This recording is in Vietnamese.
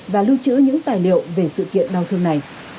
và lưu trữ những tài liệu về sự kiện đau thương này